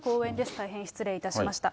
大変失礼いたしました。